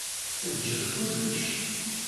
Eǧǧet kullec.